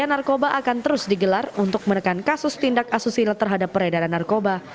narkoba akan terus digelar untuk menekan kasus tindak asusila terhadap peredaran narkoba